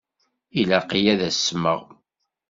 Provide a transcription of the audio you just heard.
Ilaq-iyi ad asmeɣ?